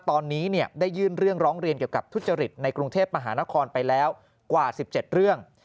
ตอนนี้ได้ยื่นเรื่องร้องเรียนเกี่ยวกับทุจริตในกรุงเทพมหานครไปแล้วกว่า๑๗เรื่อง